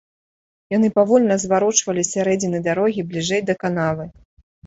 Яны павольна зварочвалі з сярэдзіны дарогі бліжэй да канавы.